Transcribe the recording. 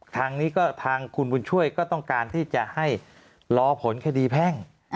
ทางนี้ก็ทางคุณบุญช่วยก็ต้องการที่จะให้รอผลคดีแพ่ง